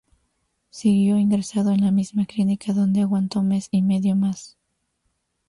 Siguió ingresado en la misma clínica donde aguantó mes y medio más.